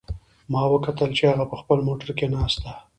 ما وکتل چې هغه په خپل موټر کې ناست ده